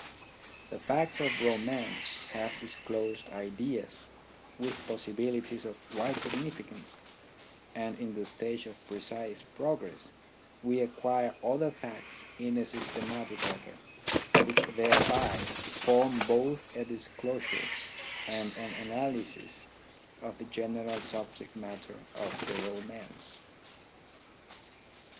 The facts of romance have disclosed ideas with possibilities of wide significance, and in the stage of precise progress we acquire other facts in a systematic order, which thereby form both a disclosure and an analysis of the general subject matter of the romance.